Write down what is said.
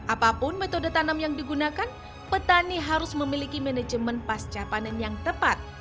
apapun metode tanam yang digunakan petani harus memiliki manajemen pasca panen yang tepat